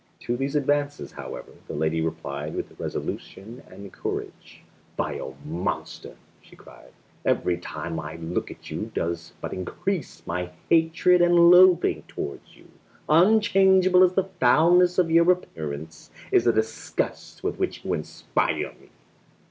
To these advances, however, the lady replied with resolution and courage. "Vile monster," she cried, "every time I look at you does but increase my hatred and loathing toward you. Unchangeable as the foulness of your appearance is the disgust with which you inspire me!"